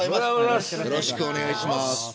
よろしくお願いします。